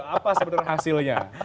apa sebetulnya hasilnya